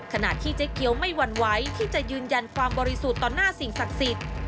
ขณะที่เจ๊เกียวไม่หวั่นไหวที่จะยืนยันความบริสุทธิ์ต่อหน้าสิ่งศักดิ์สิทธิ์